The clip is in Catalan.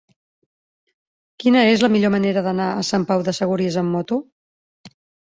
Quina és la millor manera d'anar a Sant Pau de Segúries amb moto?